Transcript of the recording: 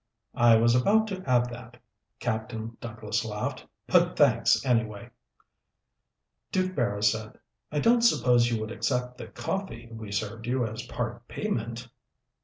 "I was about to add that." Captain Douglas laughed. "But thanks, anyway." Duke Barrows said, "I don't suppose you would accept the coffee we served you as part payment?"